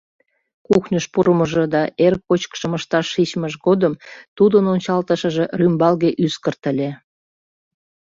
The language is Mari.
Кухньыш пурымыжо да эр кочкышым ышташ шгичмыж годым тудын ончалтышыже рӱмбалге ӱскырт ыле.